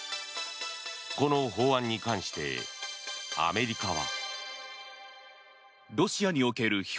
この法案に関してアメリカは。